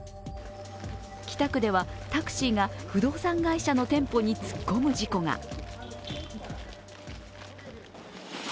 北区ではタクシーが不動産会社の店舗に突っ込む事故が。